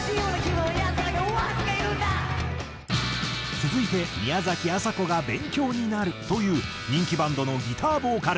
続いて宮崎朝子が勉強になるという人気バンドのギターボーカル。